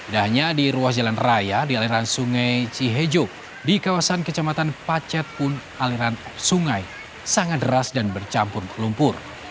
dan hanya di ruas jalan raya di aliran sungai cihejo di kawasan kecamatan pacet pun aliran sungai sangat deras dan bercampur lumpur